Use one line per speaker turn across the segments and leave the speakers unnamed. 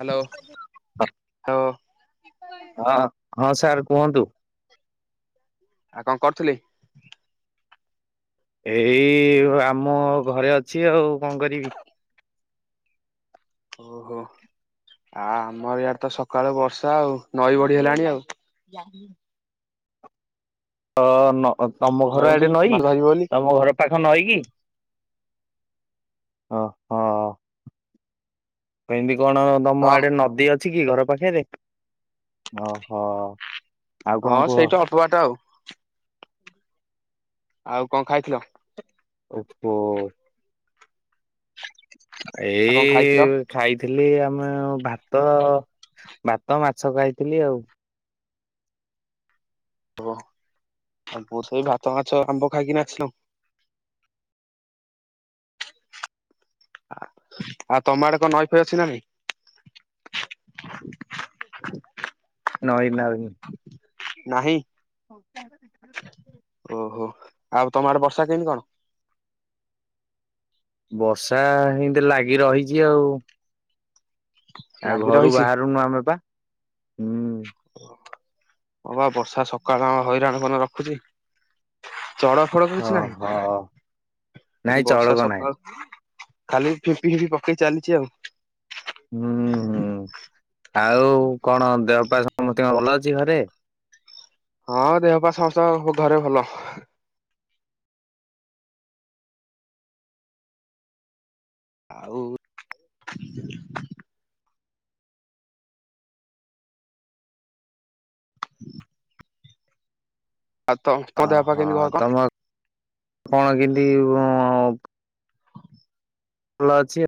Hello ହ।
ହଁ ହଁ ସାର୍ କୁହନ୍ତୁ।
ଆଉ କଣ କରୁଥିଲି?
ଏଇ ଆମ ଘରେ ଅଛି ଆଉ କଣ କରିବି।
ଓହୋ। ଆ ଆମର ୟଡ ତ ସକାଳୁ ବର୍ଷା ଆଉ ନଈ ବଢି ହେଲାଣି ଆଉ।
ତ ତମ ଘର ଏଡେ
ମାଛ
ନଈ
ଧରିବ ବୋଲି
ତମ ଘର ପାଖ ନଈକି? ଓ ହଁ। କେମିତି କଣ ତମ
ହଁ
ଆଡେ ନଦୀ ଅଛି କି ଘର ପାଖରେ ଓହୋ। ଆଉ କଣ
ହଁ
କୁହ?
ସେଇଟା ଅଳ୍ପବାଟ ଆଉ। ଆଉ କଣ ଖାଇଥିଲ?
ଓହୋଃ।
ଆଉ କଣ ଖାଇଥିଲ?
ଏଇ ଖାଇଥିଲି ଆମେ ଭାତ ଭାତ ମାଛ ଖାଇଥିଲି ଆଉ।
ଓହ ଆ ବହୁତ ସେଇ ଭାତ ମାଛ ଆମ୍ବ ଖାଇକି ନାଚିଲୁ। ଆଉ ତମ ଆଡେ କଣ ନଈ ଫଇ ଅଛି ନା ନାଇଁ?
ନଇ ନା
ନାହିଁ।
ହଉ [unintelligible]
ଓହୋ ଆଉ ତମର ବର୍ଷା କେମିତି କଣ?
ବର୍ଷା ହିତି ଲାଗି ରହିଛି ଆଉ। ଆଉ
ଲାଗି
ଘରୁ
ରହିଛି?
ବାହାରୁନୁ ଆମେ ବା ହୁଁ।
ହବା ବର୍ଷା ସକାଳ ହଇରାଣ ମନ ରଖୁଛି ଚଳ ଫଳ କିଛି
ଓହୋ।
ନାହିଁ
ନାଇଁ
ବର୍ଷା
ଚଳକ ନାହିଁ
ସକା ଖାଲି ଫିପି ଫିପି ପକେଇ ଚାଲିଛି ଆଉ।
ହୁଁ ଉ ଆଉ କଣ ଦେହ ପା ସମସ୍ତଙ୍କ ଭଲ ଅଛି ଘରେ?
ହଁ ଦେହ ପା ସମସ୍ତଙ୍କ ଘରେ ଭଲ। ଆଉ ଆଉ ତ ତମ ଦେହ ପା
ଓହୋ
କେମିତି କଣ
ତମ କଣ କେମତି ଭଲ ଅଛି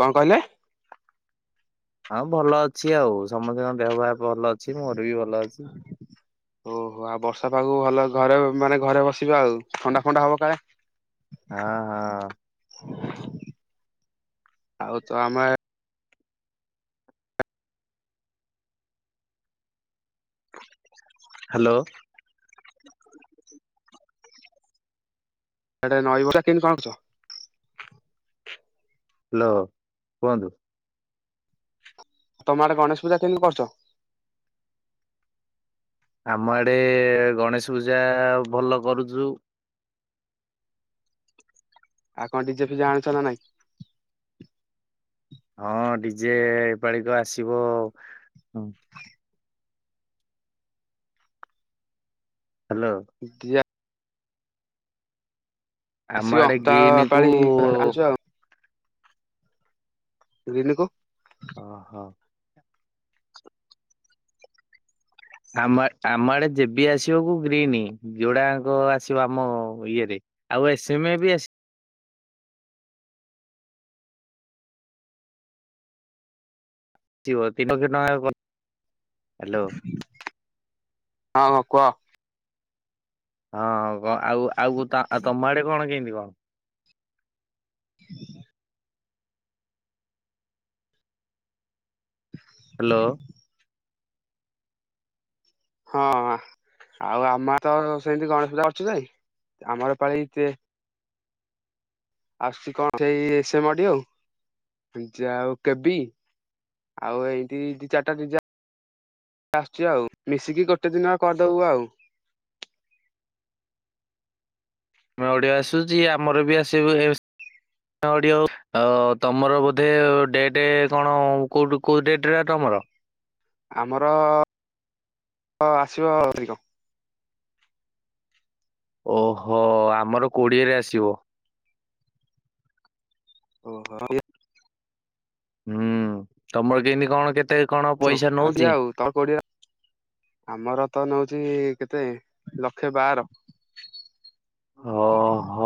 କଣ କହିଲେ?
ହଁ ଭଲ ଅଛି ଆଉ ସମସ୍ତଙ୍କ ଦେହ ଭ ଭଲ ଅଛି ମୋର ବି ଭଲ ଅଛି।
ଓହୋ ଆଉ ବର୍ଷା ପାଗ ଭଲ ଘରେ ମାନେ ଘରେ ବସିବେ ଆଉ ଥଣ୍ଡା ଫଣ୍ଡା ହବ କାଳେ।
ଆ ହଁା।
ଆଉ ତ ଆମେ
ହ୍ୟାଲୋ।
ସେଟ ନଈବ କେମିତି କଣ ରଖିଛ?
ହ୍ୟାଲୋ କୁହନ୍ତୁ।
ତମ ଆଡେ ଗଣେଶ ପୂଜା କେମିତି କରୁଛ?
ଆମ ଆଡେ ଗଣେଶ ପୂଜା ଭଲ କରୁଛୁ।
ଆଉ କଣ ଡିଜେ ଫିଜେ ଜାଣିଛ ନା ନାଇଁ?
ହଁ ଡିଜେ ଏପାଳିକ ଆସିବ ହ୍ୟାଲୋ।
ଡିଜା
ଆମ
ଆସିବ
ଆଡେ
ତା
ଗିନି କୁ
ପାଳି ଆକୁଛି ଆଉ। ରିନିକୁ
ଓହୋ। ଆମ ଆମ ଆଡେ ଯେବି ଆସିବା କୁ ଗ୍ରୀନ ଯୋଡା ଆଙ୍କ ଆସିବ ଆମ ଇଏରେ। ଆଉ ଏସ ଏମ ବି ଆସ ଜିବ ତିନକ୍ଷ ଟଙ୍କା ହ୍ୟାଲୋ।
ହଁ ହଁ କୁଅ।
ହଁ ଆଉ ଆଉ ତମ ଆଡେ କଣ କେମିତି କଣ?
ଆଛା
ହ୍ୟାଲୋ।
ହଁ ଆଉ ଆମ ତ ସେମିତି ଗଣେଶ ପୂଜା କରୁଛୁ ଯେ ଆମର ପାଳି ତେ ଆସୁଛି କଣ ଏଠି ଏସ ଏମ ଅଡିଓ ପିଜା ଆଉ କେବି ଆଉ ଏମିତି ଦି ଚାରିଟା ଡି ଆସୁଛି ଆଉ ମିଶିକି ଗୋଟେ ଦିନ କରିଦେବୁ ଆଉ।
ନୂଆ ଅଡ଼ିଓ ଆସୁଛି ଆମର ବି ଆସିବୁ ନୂଆ ଅଡ଼ିଓ ଅ ତମର ବୋଧେ ଡେଟେ କଣ କୋଉ କୋଉ ଡେଟା ତମର?
ଆମର ଅ ଆସିବ ଅଧିକ
ଓହୋ ଆମର କୋଡିଏରେ ଆସିବ।
ଓହୋ [unintelligible]
ହୁଁ ତମର କେମିତି କଣ କେତେ? କଣ
ଆସିବ
ପଇସା
ଅସିବ
ନଉଛି?
ଆଉ ତମ କୋଡ଼ିଏ ଆମର ତ ନଉଛି କେତେ ଲକ୍ଷେ ବାର।
ହଁ ହୋ।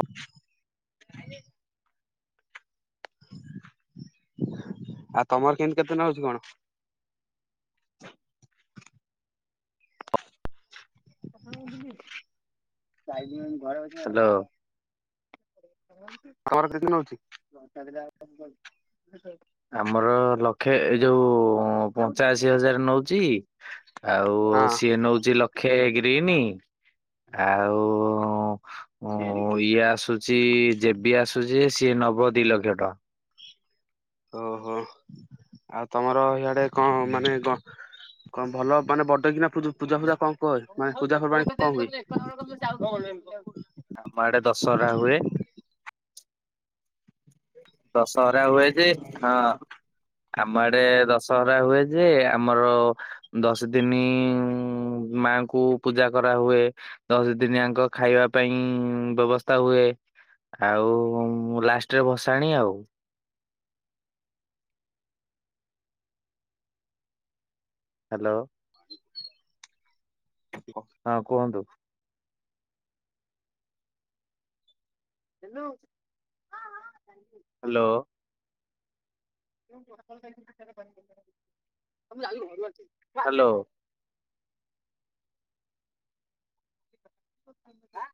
ଆଉ ତମର କେମିତି କେତେ ନଉଛି କଣ?
ହାଲୋ। [unintelligible]
ତମର କେତେ ନଉଚି?
[unintelligible] ଆମର ଲକ୍ଷେ ଏ ଯୋଉ ପଞ୍ଚାଅଶୀ ହଜାର ନଉଚି ଆଉ
ହଁ
ସିଏ ନଉଚି ଲକ୍ଷେ ତିନି ଆଉ ଓ ଇଏ ଆସୁଚି ଯେବି ଆସୁଛି ସିଏ ନବ ଦି ଲକ୍ଷ ଟଙ୍କା।
ଓହୋ ଆଉ ତମର ହିଆଡ଼େ କଣ
ହୁଁ।
ମାନେ ଗ କଣ ଭଲ ମାନେ ବଡ଼ କିନା ପୁଜୁ ପୂଜା ଫୂଜା କଣ କର୍ ମାନେ ପୂଜା ପର୍ବାଣୀ କଣ ହୁଏ?
ଆମ ଆଡ଼େ ଦଶହରା ହୁଏ। ଦଶହରା ହୁଏଯେ ହଁ। ଆମ ଆଡ଼େ ଦଶହରା ହୁଏ ଯେ ଆମର ଦଶ ଦିନି ମାଙ୍କୁ ପୂଜା କରାହୁଏ। ଦଶ ଦିନିଆଙ୍କ ଖାଇବା ପାଇଁ ବ୍ୟବସ୍ଥା ହୁଏ ଆଉ ଲାଷ୍ଟେ ରେ ବସାଣି ଆଉ। ହାଲୋ।
[inaudible] [inaudible]
ହଁ କୁହନ୍ତୁ। ହାଲୋ। ହାଲୋ। ଆଁ